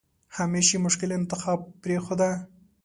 همېش یې مشکل انتخاب پرېښوده.